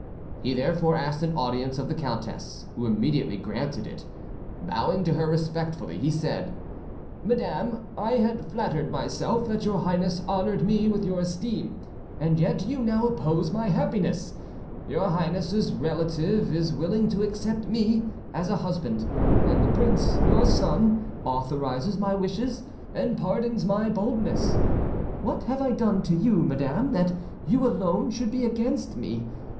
He therefore asked an audience of the countess, who immediately granted it. Bowing to her respectfully, he said, "Madame, I had flattered myself that your Highness honoured me with your esteem, and yet you now oppose my happiness: your Highness's relative is willing to accept me as a husband, and the prince your son authorises my wishes and pardons my boldness; what have I done to you, madame, that you alone should be against me?